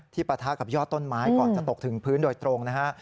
ปะทะกับยอดต้นไม้ก่อนจะตกถึงพื้นโดยตรงนะฮะ